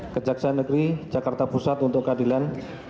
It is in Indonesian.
kejaksaan negeri jakarta pusat untuk keadilan